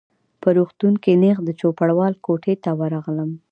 په روغتون کي نیغ د چوپړوال کوټې ته ورغلم.